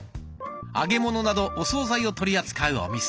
揚げ物などお総菜を取り扱うお店。